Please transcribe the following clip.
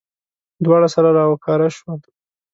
دواړه سره راوکاره شول.